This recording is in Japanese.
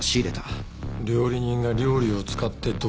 料理人が料理を使って毒殺する。